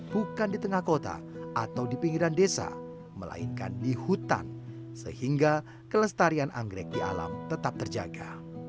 bukan di tengah kota atau di pinggiran desa melainkan di hutan sehingga kelestarian anggrek di alam tetap terjaga